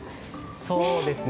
そうですね。